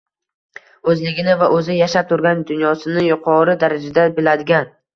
O‘zligini va o‘zi yashab turgan dunyosini yuqori darajada biladigan